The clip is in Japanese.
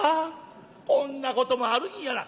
こんなこともあるんやな」。